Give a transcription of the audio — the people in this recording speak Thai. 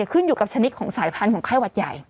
ขึ้นอยู่กับชนิดของสายพันธุ์ของไข้หวัดใหญ่